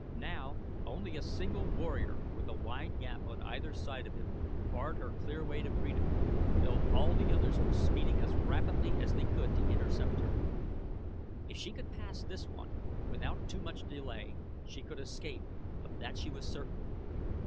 Now only a single warrior, with a wide gap on either side of him, barred her clear way to freedom, though all the others were speeding as rapidly as they could to intercept her. If she could pass this one without too much delay she could escape, of that she was certain.